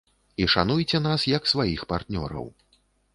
І шануйце нас як сваіх партнёраў.